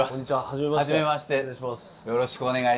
よろしくお願いします。